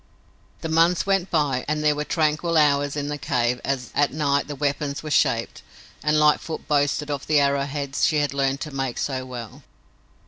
The months went by and there were tranquil hours in the cave as, at night, the weapons were shaped, and Lightfoot boasted of the arrowheads she had learned to make so well.